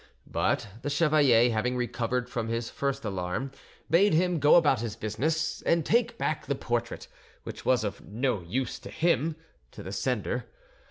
But the chevalier, having recovered from his first alarm, bade him go about his business, and take back the portrait—which was of no use to him—to the sender.